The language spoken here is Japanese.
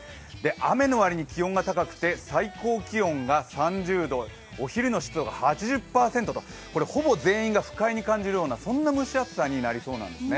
雨のわりに気温が高くて最高気温が３０度、お昼の湿度が８０％と、ほぼ全員が不快に感じるようなそんな蒸し暑さになりそうです。